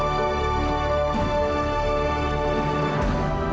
segalanya kan kuat